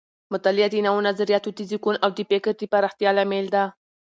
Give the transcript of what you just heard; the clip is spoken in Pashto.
مطالعه د نوو نظریاتو د زیږون او د فکر د پراختیا لامل ده.